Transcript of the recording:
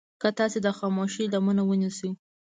که تاسې د خاموشي لمنه ونيسئ.